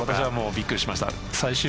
びっくりしました。